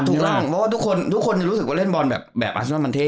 ถูกต้องเพราะว่าทุกคนทุกคนจะรู้สึกว่าเล่นบอลแบบอาสนอนมันเท่